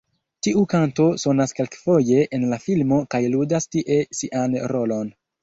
Tiu kanto sonas kelkfoje en la filmo kaj ludas tie sian rolon.